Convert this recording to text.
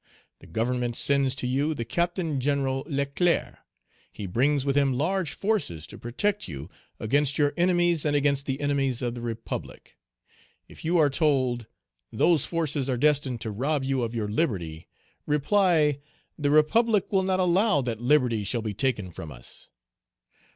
The Government sends to you the Captain General Leclerc; he brings with him large forces to protect you against your enemies and against the enemies of the Republic. If you are told, 'Those forces are destined to rob you of your liberty,' reply, 'The Republic will not allow that liberty shall be taken from us.'